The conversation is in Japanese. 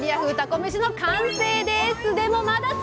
めしの完成です。